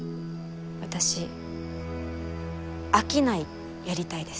私商いやりたいです。